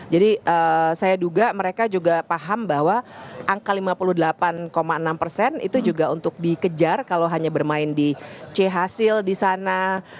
jadi saya duga mereka juga paham bahwa angka lima puluh delapan enam itu juga untuk dikejar kalau hanya bermain di c hasil di sana